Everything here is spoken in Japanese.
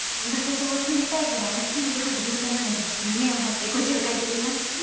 私も住みたいぐらいおすすめできる物件なので胸を張ってご紹介できます。